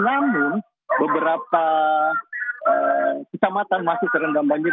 namun beberapa kecamatan masih terendam banjir